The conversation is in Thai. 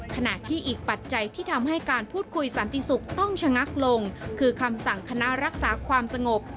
ขณะที่อีกปัจจัยที่ทำให้การพูดคุยสันติสุขต้องชะงักลงคือคำสั่งคณะรักษาความสงบ